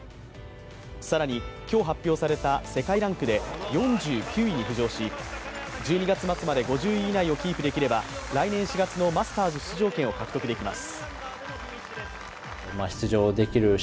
更に今日発表された世界ランクで４９位に浮上し、１２月末まで５０位以内をキープできれば来年４月のマスターズ出場権を獲得できます。